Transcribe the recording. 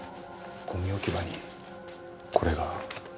ゴミ置き場にこれが。